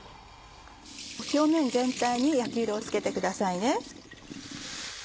表面全体に焼き色をつけてくださいね。